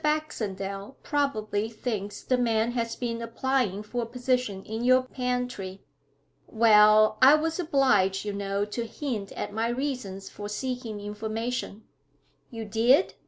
Baxendale probably thinks the man has been applying for a position in your pantry.' 'Well, I was obliged, you know, to hint at my reasons for seeking information.' 'You did?